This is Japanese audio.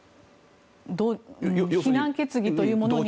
非難決議というものに。